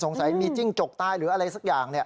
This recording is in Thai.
สงสัยมีจิ้งจกตายหรืออะไรสักอย่าง